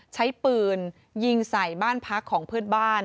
ใช้ปืนยิงใส่บ้านพักของเพื่อนบ้าน